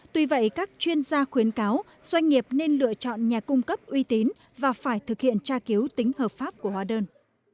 ta khuyến cáo doanh nghiệp nên lựa chọn nhà cung cấp uy tín và phải thực hiện tra cứu tính hợp pháp của hóa đơn